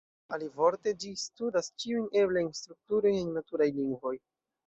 Alivorte, ĝi studas ĉiujn eblajn strukturojn en naturaj lingvoj.